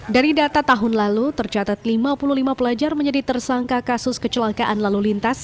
dari data tahun lalu tercatat lima puluh lima pelajar menjadi tersangka kasus kecelakaan lalu lintas